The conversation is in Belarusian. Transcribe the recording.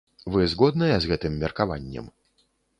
Вы згодныя з гэтым меркаваннем?